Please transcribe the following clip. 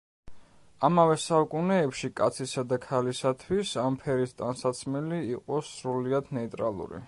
ამავე საუკუნეებში კაცისა და ქალისათვის ამ ფერის ტანსაცმელი იყო სრულიად ნეიტრალური.